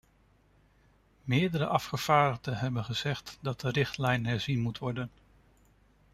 Meerdere afgevaardigden hebben gezegd dat de richtlijn herzien moet worden.